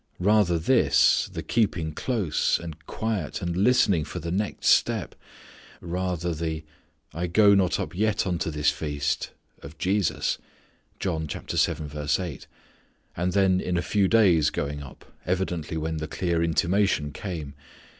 Rather this, the keeping close, and quiet and listening for the next step. Rather the "I go not up yet unto this feast" of Jesus. And then in a few days going up, evidently when the clear intimation came.